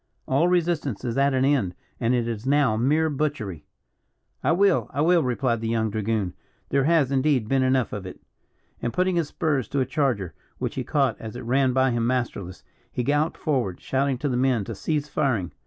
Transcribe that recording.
All resistance is at an end, and it is now mere butchery." "I will, I will," replied the young dragoon; "there has, indeed, been enough of it." And putting his spurs to a charger, which he caught as it ran by him masterless, he galloped forward, shouting to the men to cease firing.